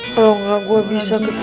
kalau gak gue bisa ke tempat ini